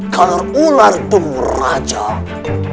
kalau ular kemurahan